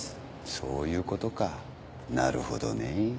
そういうことかなるほどねぇ。